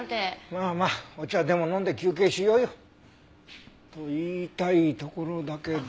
まあまあお茶でも飲んで休憩しようよと言いたいところだけど。